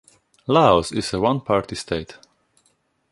Laos is a one-party state.